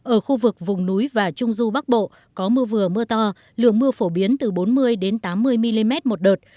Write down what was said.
ở khu vực vùng núi và trung du bắc bộ có mưa vừa mưa to lượng mưa phổ biến từ bốn mươi tám mươi mm một đợt